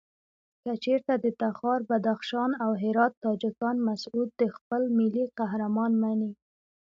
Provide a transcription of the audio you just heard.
کچېرته د تخار، بدخشان او هرات تاجکان مسعود خپل ملي قهرمان مني.